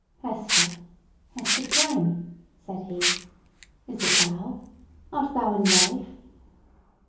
"Hester! Hester Prynne!", said he; "is it thou? Art thou in life?"